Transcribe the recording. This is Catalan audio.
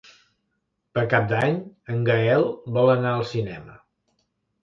Per Cap d'Any en Gaël vol anar al cinema.